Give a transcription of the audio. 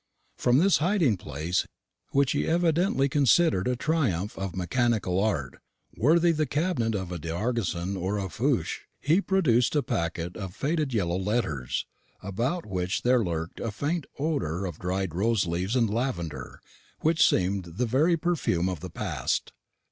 From this hiding place which he evidently considered a triumph of mechanical art, worthy the cabinet of a D'Argenson or a Fouché he produced a packet of faded yellow letters, about which there lurked a faint odour of dried rose leaves and lavender, which seemed the very perfume of the past.